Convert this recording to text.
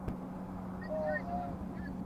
她的性格一般被认为是积极的。